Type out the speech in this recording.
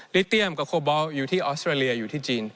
เตรียมกับโคบอลอยู่ที่ออสเตรเลียอยู่ที่จีน